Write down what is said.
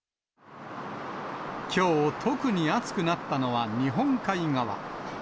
きょう、特に暑くなったのは日本海側。